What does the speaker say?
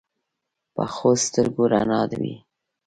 پخو سترګو رڼا وي